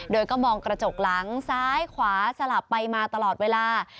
โดยก็มองกระจกหลังซ้ายขวาสลับไปมาตลอดเวลา